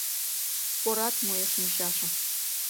«Порат» муэш мучашым.